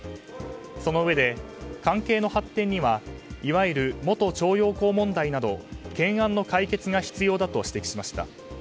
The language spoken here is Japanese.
そのうえで、関係の発展にはいわゆる元徴用工問題など懸案の解決が必要だと指摘しました。